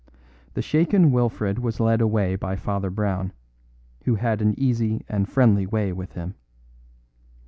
The shaken Wilfred was led away by Father Brown, who had an easy and friendly way with him.